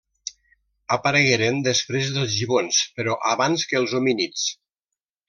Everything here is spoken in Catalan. Aparegueren després dels gibons, però abans que els homínids.